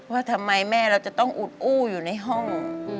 ว่าทำไมแม่เราจะต้องอุดอู้อยู่ในห้อง